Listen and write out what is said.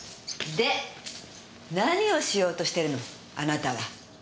で何をしようとしてるのあなたは。